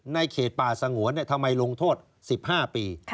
เขตป่าสงวนทำไมลงโทษ๑๕ปี